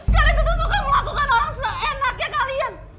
kalian itu suka melakukan orang seenaknya kalian